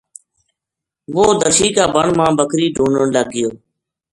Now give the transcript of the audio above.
وہ درشی کا بن ما بکری ڈُھونڈن لگ گیو